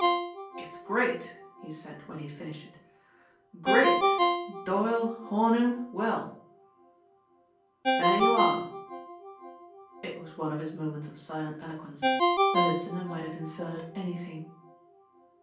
"It's great," he said when he had finished it, "Great! Doyle, Hornung, well there you are!" It was one of his moments of silent eloquence. The listener might have inferred anything.